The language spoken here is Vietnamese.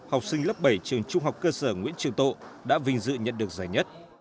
học sinh lớp bảy trường trung học cơ sở nguyễn trường tộ đã vinh dự nhận được giải nhất